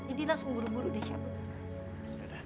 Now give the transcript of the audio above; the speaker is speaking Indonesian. jadi langsung buru buru udah cabut